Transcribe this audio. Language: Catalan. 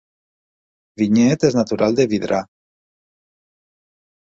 Vinyet és natural de Vidrà